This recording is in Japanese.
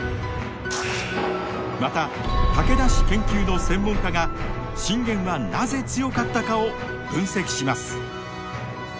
また武田氏研究の専門家が信玄はなぜ強かったかを分析します。